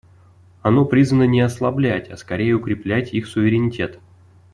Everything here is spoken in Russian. Оно призвано не ослаблять, а, скорее, укреплять их суверенитет.